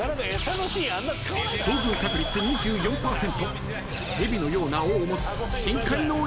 ［遭遇確率２４％］